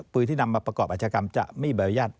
ปืนที่นำมาประกอบอาชากรรมจะไม่มีใบอนุญาต